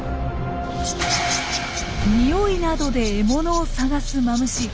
においなどで獲物を探すマムシ。